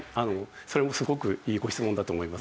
それもすごくいいご質問だと思います。